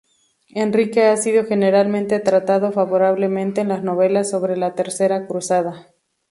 Enrique ha sido generalmente tratado favorablemente en las novelas sobre la Tercera Cruzada.